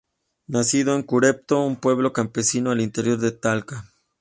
Nacido en Curepto, un pueblo campesino al interior de Talca.